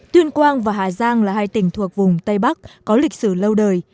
tuyên quang và hà giang là hai tỉnh thuộc vùng tây bắc có lịch sử lâu đời